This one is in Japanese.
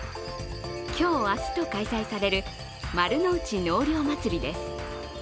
今日明日と開催される丸の内納涼まつりです。